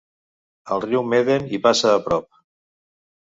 El riu Meden hi passa a prop.